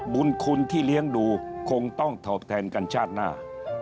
บุญคุณที่เลี้ยงดูคงต้องตอบแทนกันชาติหน้า